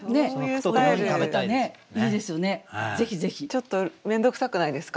ちょっと面倒くさくないですか？